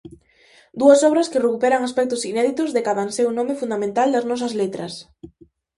Dúas obras que recuperan aspectos inéditos de cadanseu nome fundamental das nosas letras.